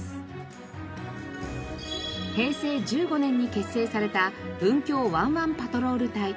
平成１５年に結成された文京ワンワンパトロール隊。